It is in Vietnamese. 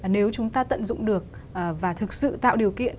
nếu chúng ta tận dụng được và thực sự tạo điều kiện